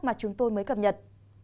mà chúng tôi mới cập nhật